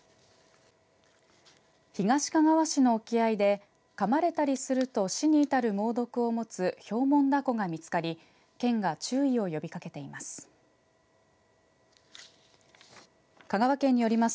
東かがわ市の沖合でかまれたりすると死に至る猛毒を持つヒョウモンダコが見つかり県が注意を呼びかけています。